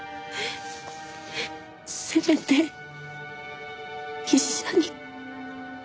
せめて一緒に。